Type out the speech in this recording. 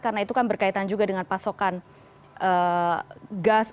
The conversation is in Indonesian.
karena itu kan berkaitan juga dengan pasokan gas